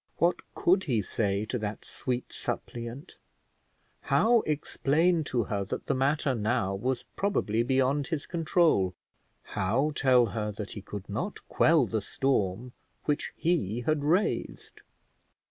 What could he say to that sweet suppliant; how explain to her that the matter now was probably beyond his control; how tell her that he could not quell the storm which he had raised?